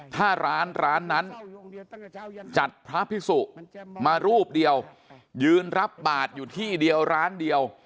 ถ้าร้านร้านนั้นจัดพระพิสุมารูปเดียวยืนรับบาทอยู่ที่เดียวร้านเดียว